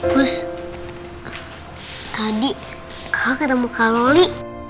gus tadi kau ketemu kak loli